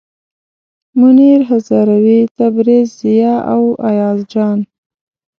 منیر هزاروي، تبریز، ضیا او ایاز جان.